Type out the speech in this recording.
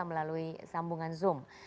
melalui sambungan zoom